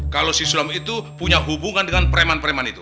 kalo si sulam itu punya hubungan dengan preman preman itu